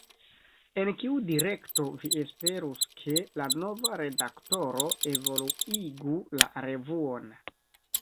En kiu direkto vi esperus, ke la nova redaktoro evoluigu la revuon?